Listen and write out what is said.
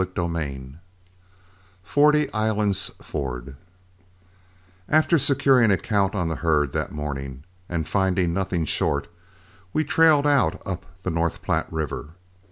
CHAPTER XIX FORTY ISLANDS FORD After securing a count on the herd that morning and finding nothing short, we trailed out up the North Platte River.